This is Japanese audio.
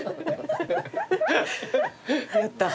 やった！